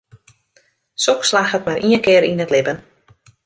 Soks slagget mar ien kear yn it libben.